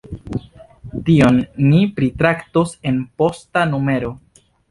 Tion ni pritraktos en posta numero.